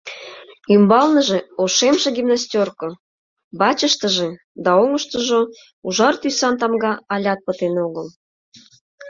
Ӱмбалныже ошемше гимнастерко, вачыштыже да оҥыштыжо ужар тӱсан тамга алят пытен огыл.